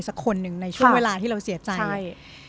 สักคนหนึ่งในช่วงเวลาที่เราเสียใจใช่